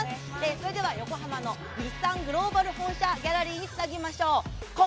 それでは横浜の日産グローバル本社ギャラリーにつなぎましょう。